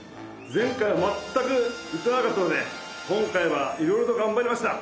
前回全く映らなかったので今回はいろいろとがんばりました！